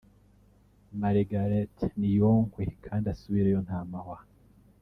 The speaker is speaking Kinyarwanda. "Margaret niyonkwe kandi asubireyo nta mahwa"